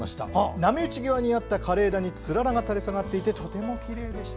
波打ち際にあった枯れ枝につららが垂れ下がっていましてとてもきれいでした。